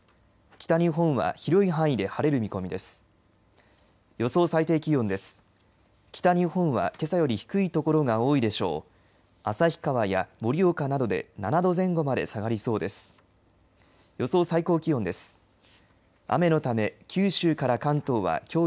北日本はけさより低い所が多いでしょう。